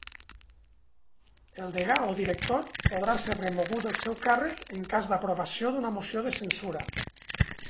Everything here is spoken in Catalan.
El degà o director podrà ser remogut del seu càrrec en cas d'aprovació d'una moció de censura.